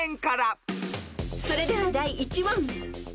［それでは第１問］